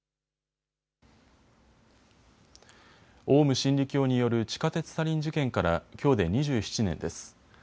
オウム真理教による地下鉄サリン事件からきょうで２７年です。